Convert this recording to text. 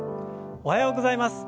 おはようございます。